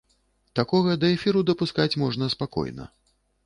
Такога да эфіру дапускаць можна спакойна.